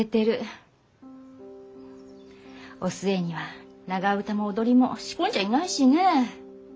お寿恵には長唄も踊りも仕込んじゃいないしね。